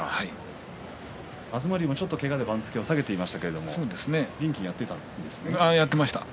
東龍もちょっとけがで番付を下げていましたけどやっていました。